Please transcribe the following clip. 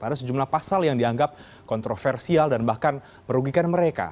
ada sejumlah pasal yang dianggap kontroversial dan bahkan merugikan mereka